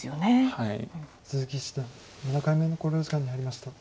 鈴木七段７回目の考慮時間に入りました。